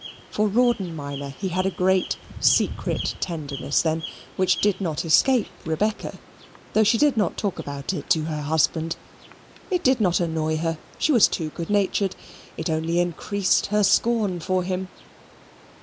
For Rawdon minor he had a great secret tenderness then, which did not escape Rebecca, though she did not talk about it to her husband. It did not annoy her: she was too good natured. It only increased her scorn for him.